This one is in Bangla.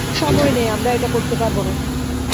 সময় নেই, আমরা এটা করতে পারবো না।